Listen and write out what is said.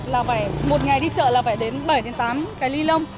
là phải một ngày đi chợ là phải đến bảy đến tám cái li lông